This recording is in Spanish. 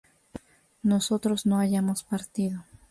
nosotros no hayamos partido